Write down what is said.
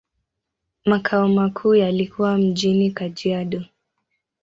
Makao makuu yalikuwa mjini Kajiado.